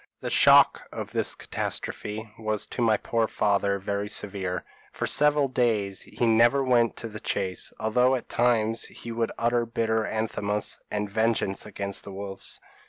The shock of this catastrophe was to my poor father very severe; for several days he never went to the chase, although at times he would utter bitter anathemas and vengeance against the wolves.